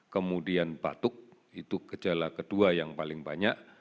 kemudian batuk itu gejala kedua yang paling banyak